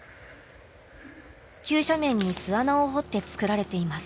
急斜面に巣穴を掘って作られています。